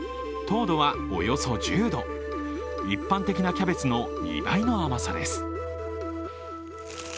糖度はおよそ１０度、一般的なキャベツの２倍の甘さです。